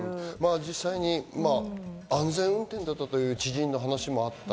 実際に安全運転だったという知人の話もあった。